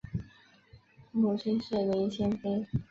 母亲是林贤妃。